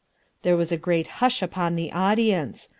There was a great hush upon the audience.